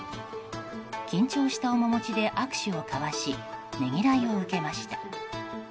緊張した面持ちで握手を交わしねぎらいを受けました。